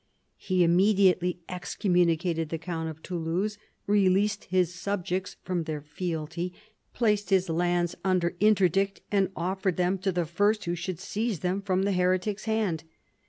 He immediately excommunicated the count of Toulouse, released his subjects from their fealty, placed his lands under interdict, and offered them to the first who should seize them from the heretic's hand.